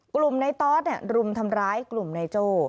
กลุ่มในตอสรุมทำร้ายกลุ่มนายโจ้